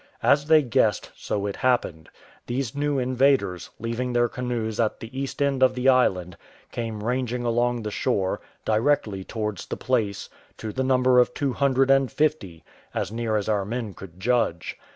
As they guessed, so it happened: these new invaders, leaving their canoes at the east end of the island, came ranging along the shore, directly towards the place, to the number of two hundred and fifty, as near as our men could judge.